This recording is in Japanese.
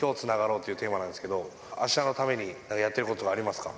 っていうテーマなんですけど、あしたのためにやっていることはありますか？